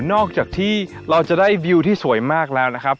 นอกจากที่เราจะได้วิวที่สวยมากแล้วนะครับ